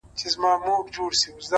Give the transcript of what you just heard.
اخلاق د شخصیت تلپاتې ارزښت دی!